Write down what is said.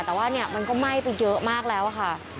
แต่ว่าเนี่ยมันก็ไหม้ไปเยอะมากแล้วค่ะ